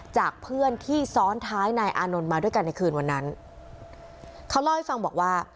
จากเพื่อนที่ซ้อนท้ายนายอานนท์มาด้วยกันในคืนวันนั้นเขาเล่าให้ฟังบอกว่า